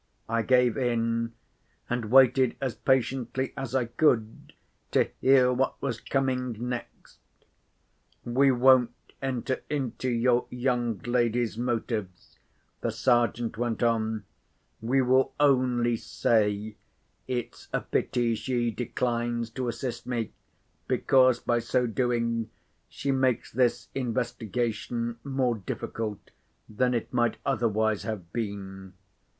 I gave in—and waited as patiently as I could to hear what was coming next. "We won't enter into your young lady's motives," the Sergeant went on; "we will only say it's a pity she declines to assist me, because, by so doing, she makes this investigation more difficult than it might otherwise have been.